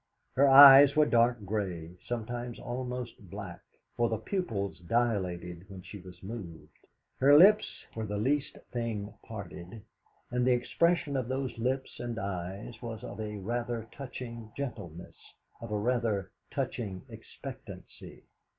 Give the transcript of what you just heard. Her eyes were dark grey, sometimes almost black, for the pupils dilated when she was moved; her lips were the least thing parted, and the expression of those lips and eyes was of a rather touching gentleness, of a rather touching expectancy.